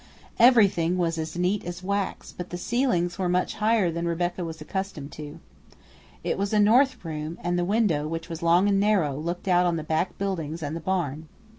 Everything was as neat as wax, but the ceilings were much higher than Rebecca was accustomed to. It was a north room, and the window, which was long and narrow, looked out on the back buildings and the barn.